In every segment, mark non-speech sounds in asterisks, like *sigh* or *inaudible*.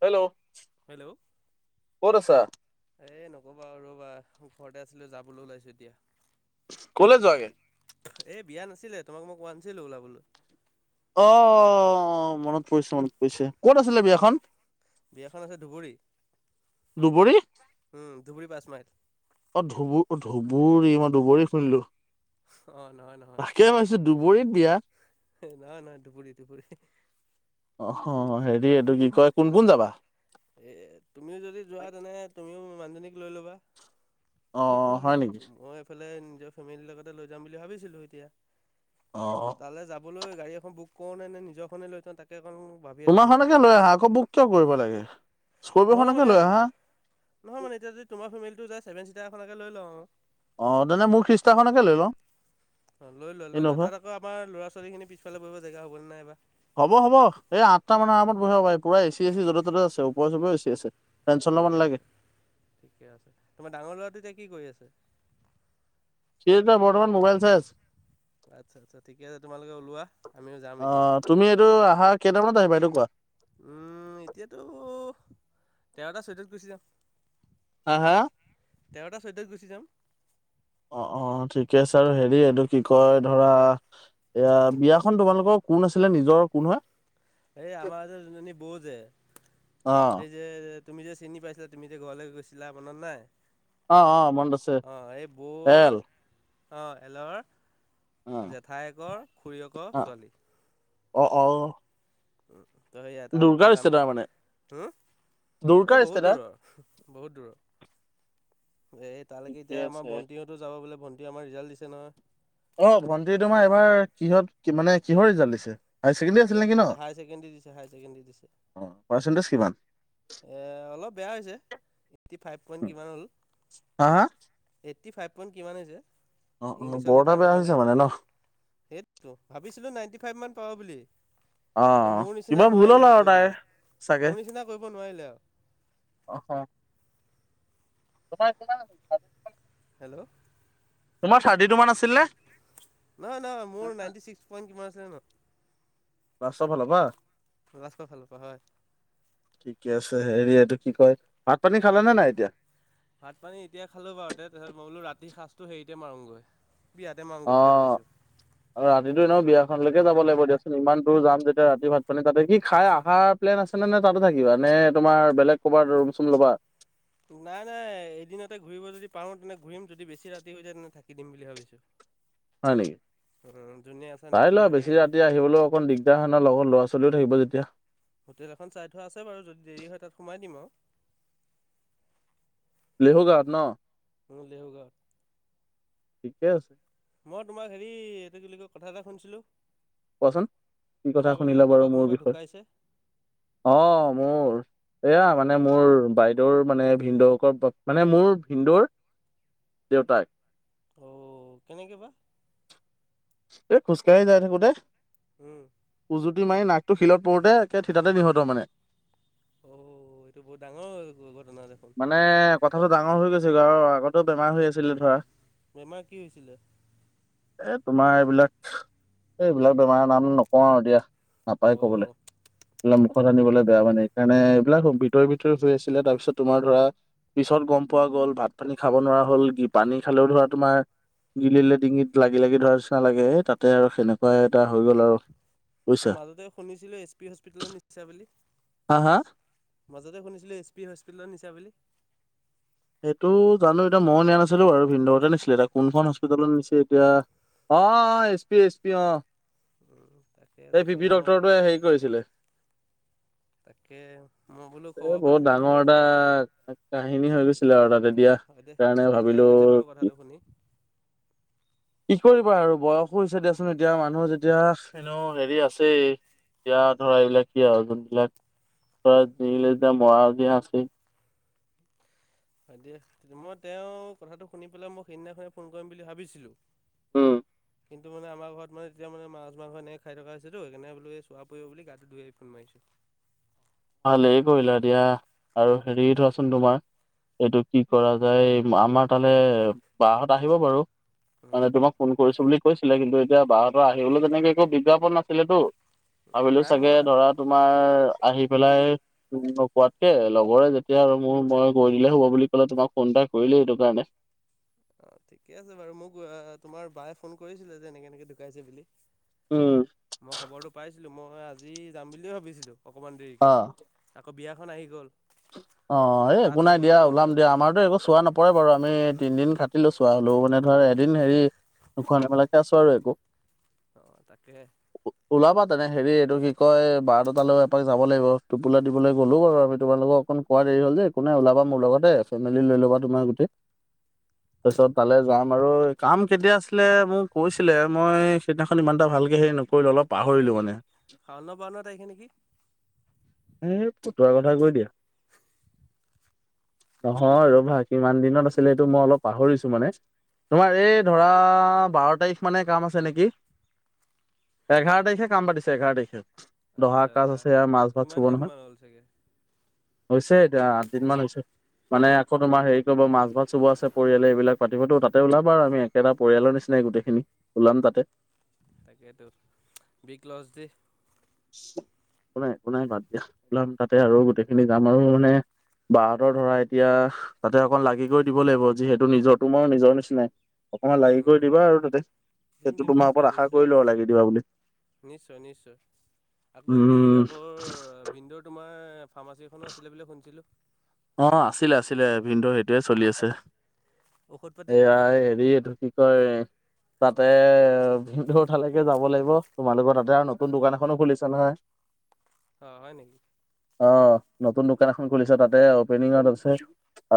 Hello, hello কত আছা? অ', ৰ'বা, ঘৰতে আছিলো যাবলৈ ওলাইছো এতিয়া। ক'লে যোৱাগে? এ বিয়া নাছিলে, তোমাক মই অোৱা নছিলো ওলাবলৈ। অ', অ', অ', মনত মনত পৰিছে মনত পৰিছে। ক'ত আছিলে অঁ বিয়াখন? বিয়াখন আছে ধুবুৰী দুবৰী। উম, ধুবুৰী পাঁচ মাইল। অ', ধুবুৰ-ধুবুৰি, মই দুবৰী শুনিলো। অ', নহয় নহয়। ধুবুৰিত বিয়া। ন না ধুবুৰি ধুবুৰি। অ', হেৰি এইটো কি কয় কোন কোন যাবা? এ তুমিও যদি যোৱা তেনে, তুমিও মানুহজনীক লৈ ল'বা। অ', অ', হয় নেকি। ৰে নিজৰ ফেমেলি লগতে লৈ যাম বুলি ভাবিছিলো এতিয়া, অ তালে যাবলৈ গাড়ী এখন বুক কৰোঁ নে নিজৰখনে লৈ যাওঁ তাকে অকণ ভাবি আছোঁ বুজিছা তোমাৰখনকে লৈ আহা আকৌ, বুক কিয় কৰিব লাগে। নহয় স্কপিঅ'খনকে মানে লৈ আহা নহয় মানে, এতিয়া যদি তোমাৰ ফেমিলিটো যায় তেন্তে চেভেন চিটাৰ এখনকে লৈ লওঁ আৰু। অ', তেনে মোৰ খ্ৰীষ্টাৰখনকে লৈ লওঁ। অ', লৈ লোৱা লৈ লোৱা, ইন'ভা তাত আকৌ আমাৰ ল'ৰা ছোৱালী খিনি পিছফালে বহিবলৈ জেগা হ'বনে নাইবা। হ'ব হ'ব, এই আঠ মানুৰ আৰামত বহিব পাৰে, পুৰা এ চি এ চি য'তে ত'তে আছে ওপৰ চোপৰেও এ চি আছে। টেনচন ল'ব ঠিকে নালাগে আছে ঠিকে আছে, তোমাৰ ডাঙৰ ল'ৰাটো এতিয়া কি কৰি আছে? সি এতিয়া বৰ্তমান মোবাইল চাই আছে। আচ্ছা আচ্ছা ঠিকে আছে, তোমালোকে ওলোৱা আমিও যাম অ এতিয়া। তুমি এইটো আহা কেইটামানত আহিবা এইটো কোৱা উম, এতিয়াতো, তেৰটা চৈধত গুচি যাম। হা হা তেৰটা ছয়টায় গুচি যাম। অ', অ', ঠিকে আছে আৰু হেৰি এইটো কি কয় ধৰা এয়া বিয়াখন তোমালোকৰ কোন আছিলে নিজৰ কোন হয়? এই আমাৰ যে জোনজোনী বৌ যে, অ এই যে তুমি যে চিনি পাইছিলা তুমি যে ঘৰলৈ গৈছিলা ম'নত নাই? অ', অ', মনত অ' এই বৌৰ পায়েল। অ', এলৰ জেঠায়কৰ খুৰীয়েকৰ অ ছোৱালী। অ', অ', উ, তই এয়া তাত এতিয়া দুৰ্গাৰ যাম বুলি ষ্টেটাৰ মানে হুম, এই দুৰ্গাৰ বহুত ষ্টেটাৰ দূৰৰ বহুত দূৰৰ এ তালৈকে ঠিকে এতিয়া আমাৰ আছে ভণ্টিহতো যাব বোলে ভণ্টি আমাৰ ৰিজাল্ট দিছে নহয়। অ', ভণ্টি তোমাৰ এবাৰ কিহত মানে কিহৰ ৰিজাল্ট দিছে? হায়াৰ ছেকেণ্ডেৰী আছিল এই নেকি ন' হায়াৰ ছেকেণ্ডেৰী দিছে হায়াৰ ছেকেণ্ডেৰী দিছে। অ', পাৰ্চেণ্টেজ কিমান? এ অলপ বেয়া হৈছে ফাইভ পইণ্ট কিমান হ'ল, হা হা এইটি ফাইভ পইণ্ট কিমান আহিছে। অ অ ইংলিছত বৰ এটা লেটাৰ বেয়া নাপালে, হৈছে মানে ন সেটো ভাবিছিলোঁ নাইনটি ফাইভ মান পাব বুলি। এ অ', মোৰ নিচিনা কিবা ভুল নোৱাৰিলে হ'ল আৰু তাইৰ কৰিবলৈ চাগে। মোৰ নিচিনা কৰিব নোৱাৰিলে আৰু। অ তোমাৰ *unintelligible* হেল্ল' তোমাৰ থাৰ্টি টু মান আছিল নে? নহয়, নহয়, মোৰ নাইনটি চিক্স পইট কিমান আছিলে ন' বা চব হলাৱা? লাষ্টৰ ফালৰ পৰা হয়। ঠিকে আছে হেৰি এইটো কি কয় ভাত পানী খালে নে নাই এতিয়া? ভাত পানী এতিয়া খালো বাৰু তে তাৰপিছত মই বোলো ৰাতি সাঁজটো হেৰিতে মাৰোঁগৈ। বিয়াতে মাৰোঁগৈ বুলি অ', ভাবিছোঁ আৰু ৰাতটো এনেও বিয়াখনলৈকে যাব লাগিব দিয়াচোন ইমান দূৰ যাম যেতিয়া ৰাতি ভাত পানী তাতে, কি খাই আহা প্লেন আছে নে নে তাতে থাকিবা নে? তোমাৰ বেলেগ ক'বাত ৰুম চুম ল'বা? নাই নাই এদিনতে ঘূৰিব যদি পাৰো তেনে ঘূৰিম যদি বেছি ৰাতি হৈ যায় তেন্ত থাকি দিম বুলি ভাবিছোঁ। হয় নেকি, যোনে আছে চাই এনেকৈ লোৱা বেছি সেই ৰাতি আহিবলৈ অকন দিগদাৰ হয় ন লগত ল'ৰা ছোৱালী থাকিব যেতিয়া। হোটেল এখন চাই থোৱা আছে বাৰু যদি দেৰি হয় তাত সোমাই দিম আৰু। লহু গাঁৱত ন? উম, লেহুগাঁৱত। ঠিকে আছে। মই তোমাক হেৰি এইটো কি বুলি কয় কথা এটা শুনিছিলোঁ। কোৱাচোন কি তোমাৰ কথা আকৌ বোলে শুনিলা বাৰু কাৰোবাৰ মোৰ কোনোবা বিষয়ে ঢুকাইছে অ', মোৰ। এয়া মানে মোৰ বাইদেউৰ মানে ভিনদেউকৰ মানে মোৰ ভিন্দৌৰ দেউতাক। অ', কেনেকে বা? এই খোজকাঢ়ি যাই থাকোতে উম উজুতি মাৰি নাক টো শিলত পৰোতে একে ঠিততে নিহত মানে। অ' এইটো বহুত ডাঙৰ ঘটনা দেখোন মানে কথাটো ডাঙৰ হৈ গৈছে। আৰু আগতেই বেমাৰ হৈ আছিলে ধৰা। বেমাৰ কি হৈছিলে? এ তোমাৰ এইবিলাক, এই এইবিলাক বেমাৰৰ নাম নকওঁ আৰু দিয়া। নাপায় কবলৈ অ' *unintelligible* জানিবলৈ বেয়া মানে এইকাৰণে, এইবিলাক ভিতৰে ভিতৰি হৈ আছিলে তাৰপিছত তোমাৰ ধৰা পিছত গম পোৱা গ'ল ভাত পানী খাব নোৱাৰা হ'ল কি পানী খালেও ধৰা তোমাৰ গিলিলে ডিঙিত লাগি লাগি ধৰা নিচিনা লাগে, হে তাতে আৰু সেনেকুৱা এটা হৈ গ'ল আৰু। বুজিছা মোৰ মাজতে শুনিছিলো এছ পি হস্পিতেলৰ নিচা বুলি। হা হা মাজতে শুনিছিলোঁ এইচ পি হস্পিটেলৰ নিচা বুলি। সেইটো জানো এতিয়া ময়ো নিয়া নাছিলো আৰু ভিনন্দতে নিাছিলে এয়া কোনখন হস্পিতালত নিছে এতিয়া অ, অ, এচ পি, এছ পি, অ, উম, তাকে এই পি তাকে পি মই ড্টৰটোৱে হেৰি কৰিছিলে। তাকে মই বোলো এ খবৰ বহুত পাইছিলোঁ মোৰ ডাঙৰ এটা এইফালে কাহিনী হৈ গৈছে। ছিলে আৰু তাতে। দিয়া হয় দে সেইকাৰণে দুখ ভাবিলো লাগি গৈছে বাৰু কথাটো শুনি। কি কৰিবা আৰু বয়সো হৈছে দিয়াচোন এতিয়া মানুহ যেতিয়া এনেো হেৰি আছেই বিয়া ধৰা এইবিলাক কি আৰু যোনবিলাক ধৰা যিল যেতিয়া *unintelligible* যে আছে। হয় দ মই তেওঁ কথাটো শুনি পেলাই মোক সেইদিনাখ ফোন কৰিম বুলি ভাবিছিলো! উম, কিন্তু মানে আমাৰ ঘৰত মানে এতিয়া মান মা মাংস এনেক খাই থকা হৈছেতো সেইনে বো চোৱা পৰিব বুলি গাটো ধুই আহ *unintelligible* মাৰিছো। ভালেই কৰিলা দিয়া আৰু হেৰি থোৱাচোন তোমাৰ এইটো কি কৰা যায় আমাৰ তালে বা হত আহিব বাৰু উম, মানে তোমাক ফোন কৰিছো বুলি কৈছিলে কিন্তু, এতিয়া বাহতৰ আহিবলৈ তেনেকে একো বিজ্ঞাপন নাছিলেতো। ভাবিলো নাই চাগে মই ধৰা তোমাৰ আহি পেলাই নকোৱাতকে লগৰে যেতিয়া আৰু মোৰ মই গৈ দিলে হ'ব বুলি ক'লে তোমাক ফোন এটা কৰি *unintelligible* অ ঠিকে আছে বাৰু মোক তোমাৰ বায়ে ফোন কৰিছিলে যে এনেকে এনেকে ঢুকাইছে বুলি উম। মই খবৰটো পাইছিলো মই আজি যাম বুলিয়ে ভাবিছিলো। অকণমান অ দেৰিকৈ আকৌ বিয়াখন আহি গ'ল। অ আকৌ এই তাত একো নাই দিয়া নগ'লেও ওলাম নহয় দিয়া আমাৰতো একো চোৱা নপৰে বাৰু আমি তিনদিন খাটি চোৱা হ'লেও মানে ধৰা এদিন হেৰি নোখোৱা ন মেলাকে আছো আৰু একো। অ, তাকেহে ওলাবা তেনে হেৰি এইটো কি কয় বাৰটাটালৈ এপাক যাব লাগিব টোপুলা দিবলৈ গ'লো বাৰু আমি তোমালোকক। অকন কোৱা দেৰি হ'ল যে একোনে ওলাবা মোৰ লগতে ফেমিলি লৈ লবা তোমাৰ গোটেই। তাৰপিছত তালে যাম আৰু কাম কেতিয়া আছিলে মোক কৈছিলে মই সেইদিনাখন ইমান এটা ভাল ভালকে হৰি নকৰিল অলপ পাহৰিলো এই মানে শাওনা *unintelligible* ন তাৰিখে নেকি! উম ফতুৱা কথাই কৈ দিয়া। নহয় ৰবা, কিমান দিনত আছিলে এইটো মই অলপ পাহৰিছো মানে। তোমাৰ এই ধৰা বাৰ তাৰিখ মানে কাম আছে নেকি? এঘাৰ তাৰিখে কাম পাতিছে এঘাৰ তাৰিখে। দহা আচ্ছা কাজ আচ্ছা আছে আৰু মাছ ভাত কিমান চুব দিনমান হ'ল চাগে? ছে এতিয়া আঠ দিন মান হৈছে। মানে আকৌ তোমাৰ হেৰি কৰিব, মাছাভাত চব আছে পৰিয়ালে এইবিলাক পাতিবতো তাতে ওলাব আৰু আমিটো পৰিয়ালৰ নিচিনা। গোটেইখিনি ওলাম তাতে। তাকেই তো বিগ লছ দে একো নাই একো নাই বাদ দিয়া ওলাম তাতে আৰু গোটেইখিনি যাম আৰু মানে বাহঁতৰ ধৰা এতিয়া তাতে অকণ লাগি কৰি দিব লাগিব যিহেতু নিজৰ তোমাৰ নিজৰ নিচিনাই। অকমান লাগি কৰি উম। দিবা আৰু তাতে দিম সেইটো দিম তোমাৰ নিশ্চয় ওপৰত আশা নিশ্চয় কৰিলোঁ লাগি দিবা বুলি। নিশ্চয় নিশ্চয়! আকৌ হেৰি উম আকৌ ভিনন্দুৰ তোমাৰ ফাৰ্মাচী এখনো আছিলে বুলি শুনিছিলোঁ। অ আছিলে আছিলে ভিনদোৰ সেইটোৱে চলি আছে। ঔষধ পাতি? এয়াই হেৰি এইটো কি কয় তাতে ভিনদ *unintelligible* লৈকে যাব লাগিব তোমালোকৰ তাতে আৰু নতুন দোকান এখনো খুলিছে নহয়। *inaudible* অ হয় নেকি? অ', নতুন দোকান ক'ত এখন খুলিছে তাতে অপেনিঙত আছে,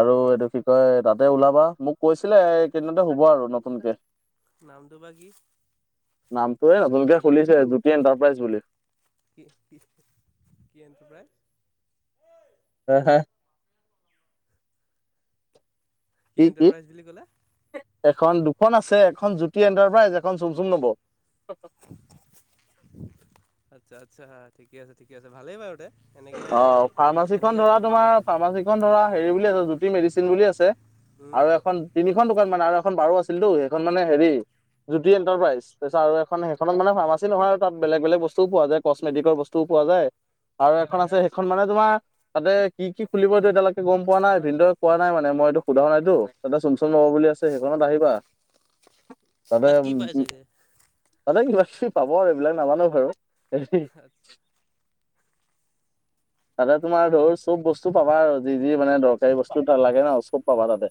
আৰু এইটো কি কয় তাত ততে ওলাবা, মোক কৈছিলে এই কেইদিনতে হব আৰু নতুনকে। নামটো বা কি? নামটোৱে নতুনকে খুলিছে জুতি এণ্টাৰপ্ৰাইজ বুলি। কি, কি, কি এনন্ত প্ৰায়? হ *unintelligible* কি এণ্টাৰপ্ৰাইজ বুলি ক'লে? এখন দুখন আছে এখন জুতি এন্টাৰপ্ৰাইজ এখন চুং চুং নব। *unintelligible* আচ্ছা আচ্ছা ঠিক, আছে ঠিক, আছে ভালেই বাৰু দে। অ', ফাৰ্মাচীখন ধৰা তোমাৰ ফাৰ্মাচীখন ধৰা হেৰি বুলি আছে জ্যোতি মেডিচিন বুলি আছে। উম। আৰু এখন তিনিখন দোকান মানে আৰু এখন বাৰু আছিলতো সেইখন মানে হেৰি জ্যোতি এন্টাৰপ্ৰাইজ পিছে আৰু এখন সেইখনত মানে ফাৰ্মচী নহয় আৰু তাত বেলেগ বেলেগ বস্তুও পোৱা যায় কচমেটিকৰ বস্তু পোৱা যায়। আৰু এখন আছে সেইখন মানে তোমাৰ তাতে কি কি খুলিব এইটো এতিয়ালৈকে গম পোৱা নাই, ভিনদেউ কোৱা নাই মানে মই সোধা নাইতো তো চুন চুন নব বুলি আছে সেইখনত আহিবা। তাতে তাত কি উ পাইছেগে? তাতে *unintelligible* পাব আৰু এইবিলাক নাজানো বাৰু। *unintelligible* *inaudible* তাতে তোমাৰ ধৰ চব বস্তু পাবা আৰু যি, যি মানে দৰকাৰী বস্তু ত লাগে ন চব পাবা তাতে।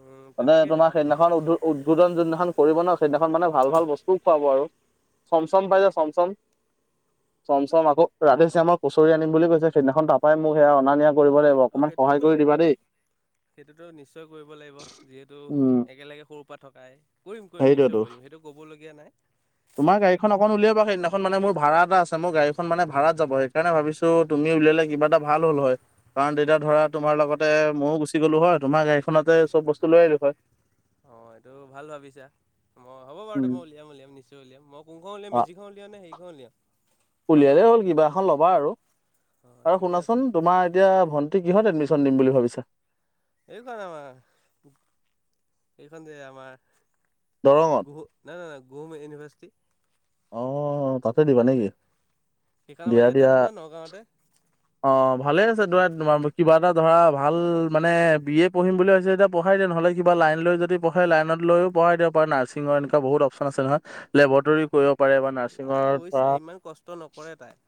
উম মানে তেনেকে তোমাৰ যাব সেইদিনাখন উ-উদ্বোধন যিদিনাখন কৰিব ন সেইদিনাখন মানে ভাল ভাল বস্তুও খুৱাব আৰু চম চম পাই যে চমচম চম চম আকৌ ৰাতি চ আমাৰ কুচৰি আনিম বুলি কৈছে সিদিনাখন তাপাই মোক সেয়া অনা নিয়া কৰিব লাগিব অ অকমান সহায় সেইটোতো কৰি দিবা দেই। সেইটোতো নিশ্চয় কৰিব লাগিব, যিহেতু উম একেলগে সৰু পৰা থকাই কৰিম কৰিম নিশ্চয় সেইটোৱেতো কৰিম। সেইটো ক'বলগীয়া নাই। তোমাৰ গাড়ী খন অকণ উলিয়াবা, সেইদিনাখন মানে মোৰ ভাড়া এটা আছে মোৰ গাড়ী মান ভাড়াত যাব সেই সেইকাৰণে ভাবিছোঁ তুমি উলিয়ালে কিবা এটা ভাল হ'ল হয়, কাৰণ তেতিয়া ধৰা তোমাৰ লগতে ময়ো গুচি গ'লো হয় তোমাৰ গাড়ীখনতে চব বস্তু লৈ আহিলো হয়। অ', এইটো ভাল ভাবিছা। হ'ব বাৰু উম, মই উলিয়াম, উলিয়াম নিশ্চয় উলিয়াম, মই কোনখন উলিয়াম অ' মেজীকখন উলিয়াম নে হেৰি খন উলিয়াম। উলিয়ালেই মালটনাখন। হ'ল কিবা এখন ল'বা আৰু অঁ আৰু ঠিকে আছে শুনাচোন তোমাৰ এতিয়া ভন্টি কিহত এডমিচ দিম বুলি ভাবিছা। এইখন আমাৰ এইখন যে আমাৰ দৰঙত *unintelligible* গোম ইউনিভাৰ্চিটি। অ' তাতে দিবা নেকি সেইখন আমাৰ দিয়া, ইয়াতে দিয়া আছে নহয় নগাঁৱতে। অ', ভালে আছে কিবা এটা ধৰা ভাল মানে বি এ পঢ়িম বুলি ভ হৈছে এতিয়া পঢ়াই দিয় নহ'লে কিবা লাইন লৈ যদি পঢ়াই লাইনত লৈ পঢ়াই দিব পাৰ নাৰ্চিঙৰ এনেকুৱা বহুত অপচন আছে নহ লেবৰেটৰী কৰিব পাৰে বা নাই নাৰ্ছিঙৰ ধৰা অৱশ্যে ইমান কষ্ট নকৰে তাই।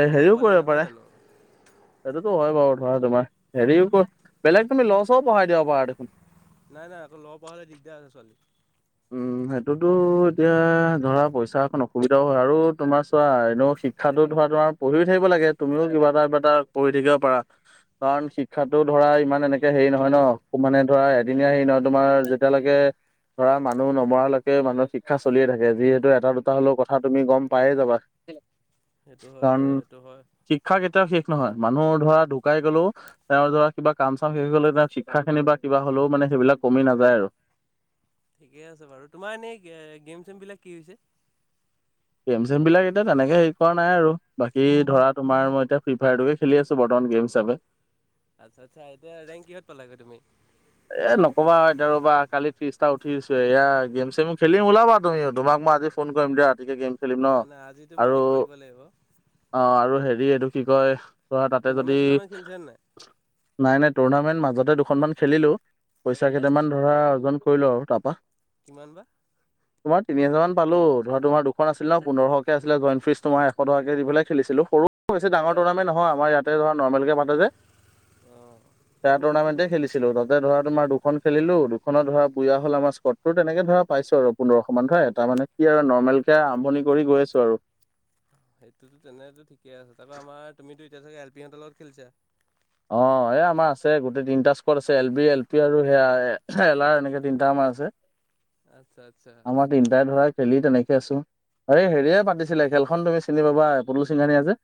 এ সৰু হেৰিও পোৱালি কৰিব নহয় পাৰে জানো সেইটোতো হয় বাৰু। তোমাৰ হেৰি বেলেগ তুমি ল' চ' পঢ়াই দিয়া পাৰা দেখোন। নাই নাই আকৌ ল'ব পৰা হ'লে দিগদাৰ আছে ছোৱালী উম, সেইটোতো এতিয়া ধৰা পইচা এখন অসুবিধাও হয় আৰু তোমাৰ চোৱা এনেও শিক্ষাতো ধৰা তোমাৰ পঢ়িও থাকিব লাগে, তুমিও কিবা এটা কিব এটা কৰি থাকিব পাৰা। কাৰণ শিক্ষাতো ধৰা ইমান এনেকে হেৰি নহয় ন, মানে ধৰা এদিনীয়া হেৰি নহয় তোমাৰ যেতিয়ালৈকে তাত *unintelligible* ধৰা মানুহ নমৰালৈকে মানুহৰ শিক্ষা চলিয়ে থাকে যিহেতু এটা দুটা হলেও কথা তুমি গম পায়ে যাবা। সেইটো হয় কাৰণ বাৰু সেইটো হয়। শিক্ষা কেতিয়াও শেষ নহয়। মানুহৰ ধৰা ঢুকাই গ'লেও তেওঁৰ ধৰা কিবা কাম চাম শেষ গলে তেওঁৰ শিক্ষা খিনি বা কিবা হলেও মানে সেইবিলাক কমি নাযায় আৰু। ঠিকে আছে, বাৰু তোমাৰ এনেই গেম চেম বিলাক কি হৈছে। গেম চেম বিলাক এতিয়া তেনেকে হেৰি কৰা নাই আৰু, বাকী ধৰা তোমৰ মই এতিয়া ফ্ৰী ফায়াৰটোকে খেলি আছো বৰ্তমান। গেম হিচাপে। আচ্ছা, আচ্ছা এয়া ৰেংক কিহত পালাগৈ তুমি? এ, নকবা এতিয়া ৰবা কালি ফ্ৰিজটা উঠিছো, এয়া গেম চেম খেলিম ওলাবা তুমি তোমাক মই আজি ফোন কৰিম দিয়া, ৰাতিকে গেম খেলিম ন নাই নাই আজিতো আৰু বাৰুতে খেলিব লাগিব অ', আৰু হেৰি এইটো কি কয়? ধৰা তাতে যদি টুৰ্ণামেণ্ট চুৰ্ণামেণ্ট খেলিছা নে নাই? নাই, নাই টুৰ্ণামেন্ট মাজতে দুখনমান খেলিলো। পইচা কেইটামান ধৰা অৰ্জন কৰিলো আৰু তাৰপা। কিমান বা? তোমাৰ তিনি হজাৰ মান পালোঁ, ধৰা তোমাৰ দুখন আছিল ন পোন্ধৰ শকে আছিলে জইন ফিজ তোমাৰ এশ টাকে দি পেলাই খেলিছিলোঁ। সৰু বেছি ডাঙৰ টৰ্ণামেট নহয়, আমৰ ইয়াতে ধৰা নৰ্মেলকে পাতে যে। অঁ তাৰ টুৰ্ণামেন্টে খেলিছিলোঁ তাত। ধৰা তোমাৰ দুখন খেলিলোঁ, দুখনত ধৰা কুইয়া হ'ল আমাৰ স্টতটো তেনেকে ধৰা পাইছো আৰু পোন্ধৰশমান এটা। মানে কি আৰু নৰ্মেল কে আৰম্ভণি কৰি গৈ আছো আৰু। সেইটোতো তেনেতো ঠিকে আছে, তাৰপা আমাৰ তুমিতো এতিয়া চাগে এল পি হঁতৰ লগত খেলিছা? অ', এই আমাৰ আছে গোটেই তিনিটা স্কট আছে এল বি, এল পি আৰু সেয়া এল আৰ এনেকে তিনিটা আমাৰ আছে। আচ্ছা আচ্ছা আমাৰ তিনটাই ধৰা খেলি তেনেকে আছো, এই হেৰিয়ে পাতিছিলে খেল খন তুমি চিনি পাবা পুতুল সিংহানিয়া যে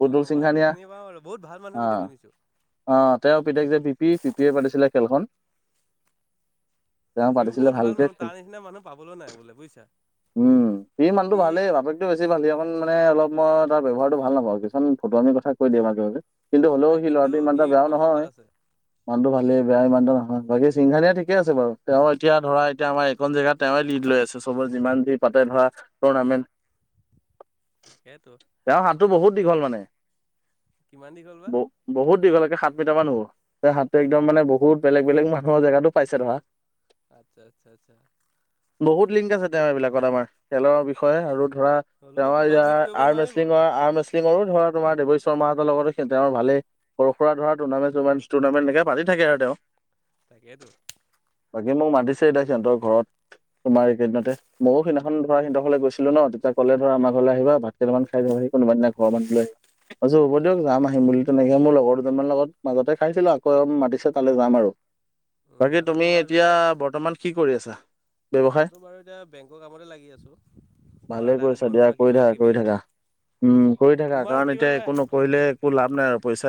পুতুল অঁ মানুহটোক সিংহানীয়া। চিনি পাওঁ আৰু বহুত ভাল মানুহ বুলি অ', শুনিছোঁ। অ', তেওঁৰ পিতেক যে B P, P P A পাতিছিলে খেলখন। তেওঁ সিও পাতিছিলে বহুত ভাল ভালকে মানুহ খেল তাৰ নিচিনা মানুহ পাবলৈ নাই বোলে বুইছা। উম, সি মানুহটো ভালেই বাপেকটো বেছি ভাল সিকণ মানে অলপ মই তাৰ ব্যৱহাৰটো ভাল নাপাওঁ, কিছুমান ফটুৱামী আমি কথা কৈ দিয়ে মাজে, মাজে। কিন্তু হ'লেও নাই সি কিন্তু ল'ৰাটো ইমান সি এটা বেয়াও মানুহটো ভাল নহয়। আছে। মানুহটো ভালেই বেয়া ইমানটো নহয়, বাকী সিংহানিয়া ঠিকে আছে বাৰু তেওঁ এতিয়া ধৰা এতিয়া আমাৰ এইকন জেগাত তেওঁয়ে লিদ। লৈ আছে, চবৰে যিমান যি পাতে ধৰা টুৰ্ণামেণ্ট। তাকেইতো। তেওঁৰ হাতটো বহুত দীঘল মানে কিমান দীঘল বা বহুত দীঘল। সাত মিটাৰ মান হ'ব, সাতটো একদম মানে বহুত বেলেগ, বেলেগ মানুহৰ জেগাতো পাইছে ধৰা। আচ্ছা, আচ্ছা, আচ্ছা। বহুত লিংক আছে, তেওঁ এইবিলাকত আমাৰ খেলৰ বিষয়ে আৰু ধৰা হ'লেও তোমাক বিট তেওঁৰ কৰিব আৰ নোৱাৰিব মেচলিঙৰ, আৰ মেচলিঙৰো ধৰা তোমাৰ দে শৰ্মাহঁতৰ লগতো তেওঁৰ ভালেই, সৰু সুৰা ধৰা টুৰ্নামেট, ষ্টুডমেন্টপাতি থাকে আৰু তেওঁ। তাকেইটো। বাকী মোক মাতিছে, এতিয়া সিহঁতৰ ঘৰত তোমাৰ এইকেইদিনতে ময়োও সিদিনাখন ধৰা সিহঁতৰ গৈছিলো ন, তেতিয়া কলে আমাৰ ঘৰলৈ আহিবা ভাত কেইামান খাই যাবাহি কোনোবা ঘৰ মানুহলৈ। *unintelligible* হ'ব ঠিক দিয়ক যাম আহিম বুলি। তেনেকে মোৰ লগৰ দুজনমানৰ লগত মাজতে খাইছিলো, আকৌ মাতিছে তালৈ যাম আৰু। উম বাকী আকৌ তুমি তোমাৰ যে এতিয়া বৰ্তমান কি কৰি আছা? ব্যৱসায় মইতো বাৰু এতিয়া বেংকৰ কামতে লাগি আছোঁ। তোমাৰ ভালে আধাৰ কাৰ্ড কৰিছা দিয়া বনোৱা কৰি কিবা থাকা, কিবি কৰি থাকা উম, কৰি থাকা তোমাৰ কাৰণ এতিয়া কিবা একো নকৰিলে একো লাভ নাই আৰু পইচা